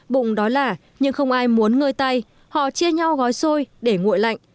bụng đó là nhưng không ai muốn ngơi tay họ chia nhau gói xôi để nguội lạnh